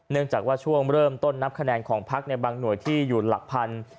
จากว่าช่วงเริ่มต้นนับคะแนนของพักในบางหน่วยที่อยู่หลักพัน